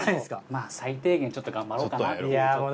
まあ最低限ちょっと頑張ろうかなっていう。